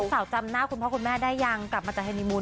สาวจำหน้าคุณพ่อคุณแม่ได้ยังกลับมาจากเฮนิมูล